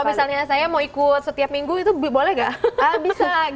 kalau misalnya saya mau ikut setiap minggu itu boleh gak bisa